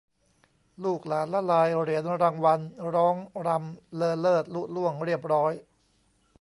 ลูกหลานละลายเหรียญรางวัลร้องรำเลอเลิศลุล่วงเรียบร้อย